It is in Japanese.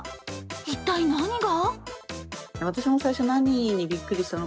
一体何が？